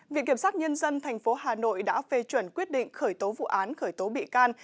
viện kiểm sát nhân dân tp hà nội đã phê chuẩn quyết định khởi tố vụ án khởi tố bị can